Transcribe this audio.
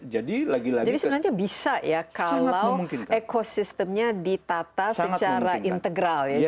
jadi sebenarnya bisa ya kalau ekosistemnya ditata secara integral